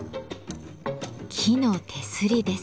木の手すりです。